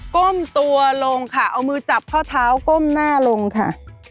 ก้มตัวลงค่ะเอามือจับข้อเท้าก้มหน้าลงค่ะ